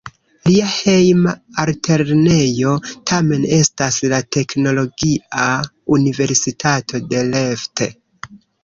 Lia "hejma" altlernejo tamen estas la Teknologia Universitato Delft.